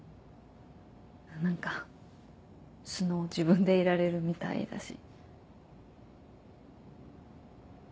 何か素の自分でいられるみたいだし。